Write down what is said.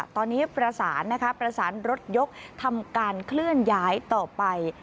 ตอนนี้ประสานนะคะประสานรถยกทำการเคลื่อนย้ายต่อไป